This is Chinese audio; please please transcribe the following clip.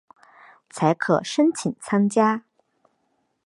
才可申请参加